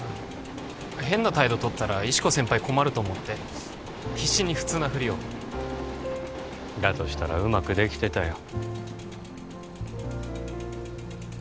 変な態度とったら石子先輩困ると思って必死に普通なフリをだとしたらうまくできてたよ